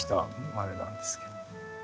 あれなんですけど。